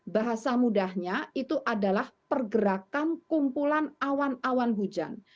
bahasa mudahnya itu adalah pergerakan kumpulan awan awan hujan